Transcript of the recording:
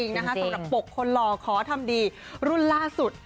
สำหรับปกคนหล่อขอทำดีรุ่นล่าสุด